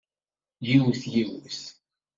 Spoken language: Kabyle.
Yiwet yiwet!